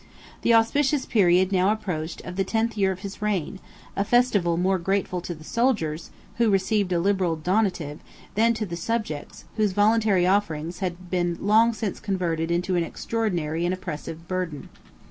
The auspicious period now approached of the tenth year of his reign; a festival more grateful to the soldiers, who received a liberal donative, than to the subjects, whose voluntary offerings had been long since converted into an extraordinary and oppressive burden.